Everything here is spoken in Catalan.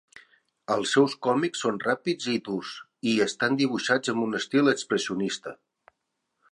Els seus còmics són ràpids i durs i estan dibuixats amb un estil expressionista.